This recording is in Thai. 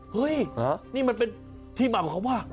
เฮ้ยนี่มันเป็นที่มาของเขาว่า